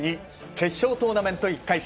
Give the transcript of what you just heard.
決勝トーナメント１回戦